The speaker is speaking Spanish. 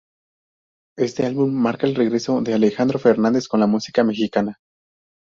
Este álbum marca el regreso de Alejandro Fernández con la música mexicana.